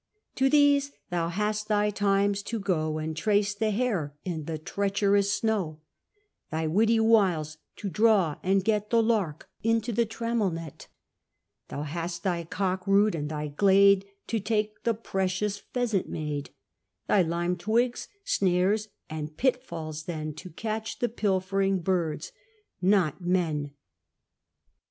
To these, thou hast thy times to go And trace the hare i' th' treacherous snow: Thy witty wiles to draw, and get The lark into the trammel net: Thou hast thy cockrood, and thy glade To take the precious pheasant made: Thy lime twigs, snares, and pit falls then To catch the pilfering birds, not men.